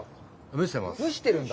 蒸してるんだ。